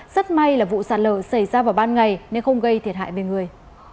rất may là vụ sạt lở xảy ra vào ban ngày nên không gây thiệt hại về người